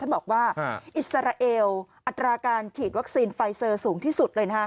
บอกว่าอิสราเอลอัตราการฉีดวัคซีนไฟเซอร์สูงที่สุดเลย